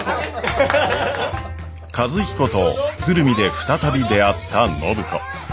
和彦と鶴見で再び出会った暢子。